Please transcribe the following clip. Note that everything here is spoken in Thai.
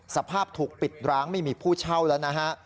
สภาพถูกปิดร้างไม่มีผู้เช่าแล้วนะฮะ